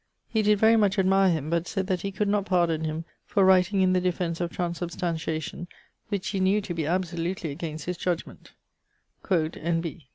He did very much admire him, but sayd that he could not pardon him for writing in the defence of transubstantiation which he knew to bee absolutely against his judgment quod N. B.